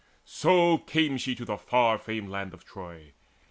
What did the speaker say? So came she to the far famed land of Troy.